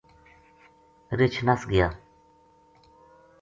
رچھ نَس گیا